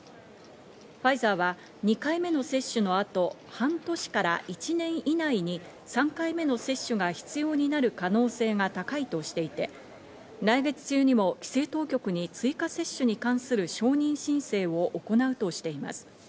ファイザーは２回目の接種のあと、半年から１年以内に３回目の接種が必要になる可能性が高いとしていて来月中にも規制当局に追加接種に関する承認申請を行うとしています。